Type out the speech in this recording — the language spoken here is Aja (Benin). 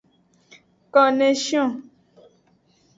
Koneshion.